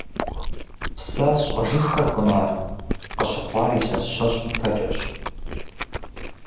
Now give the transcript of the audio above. Сэ сщӀэжыххэркъым ар, къыщыхъуар илъэс щэщӀ ипэкӀэщ.